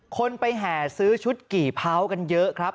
คนไปแห่ซื้อชุดกี่เผากันเยอะครับ